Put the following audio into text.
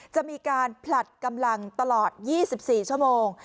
จะมีการผลัดกำลังตลอด๒๔ชั่วโมง